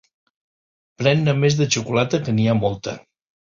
Pren-ne més, de xocolata, que n'hi ha molta.